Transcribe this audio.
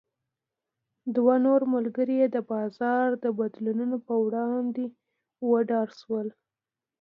دوه نور ملګري یې د بازار د بدلونونو په وړاندې وډار شول.